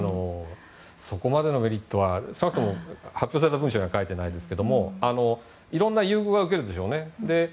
そこまでのメリットは少なくとも発表された文書には書いていないですけどもいろんな優遇は受けるでしょうね。